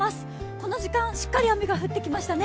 この時間しっかり雨が降ってきましたね。